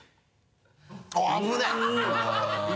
危ない！